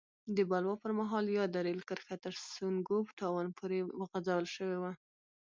د بلوا پر مهال یاده رېل کرښه تر سونګو ټاون پورې غځول شوې وه.